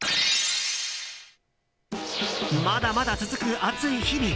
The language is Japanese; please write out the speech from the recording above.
まだまだ続く暑い日々。